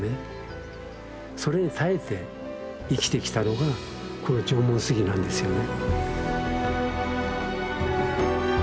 それに耐えて生きてきたのがこの縄文杉なんですよね。